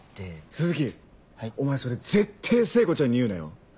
鈴木お前それぜってぇ聖子ちゃんに言うなよ。